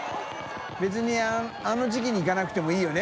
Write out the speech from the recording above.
未あの時期に行かなくてもいいよね。